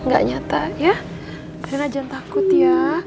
rena jangan takut ya